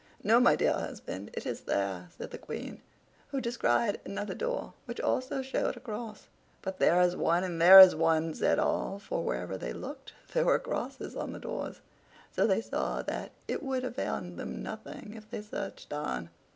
"No, my dear husband, it is there!" said the Queen, who descried another door which also showed a cross. "But there is one, and there is one!" said all, for wherever they looked there were crosses on the doors. So they saw that it would avail them nothing if they searched on.